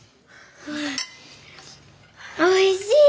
おいしい。